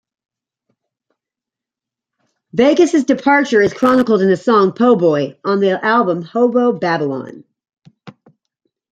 Vegas' departure is chronicled in the song "Po' Boy" on the album "Hobo Babylon".